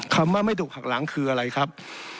คำว่าไม่ถูกหักหลังคืออะไรครับ